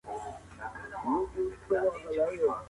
چېري د دوی د تبادلې خبري کیږي؟